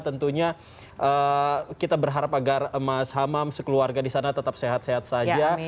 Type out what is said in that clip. tentunya kita berharap agar mas hamam sekeluarga di sana tetap sehat sehat saja